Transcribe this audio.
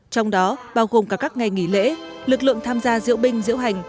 trong đó bao gồm cả các ngày nghỉ lễ lực lượng tham gia diễu binh diễu hành